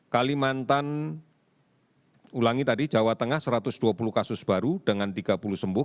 kalimantan ulangi tadi jawa tengah satu ratus dua puluh kasus baru dengan tiga puluh sembuh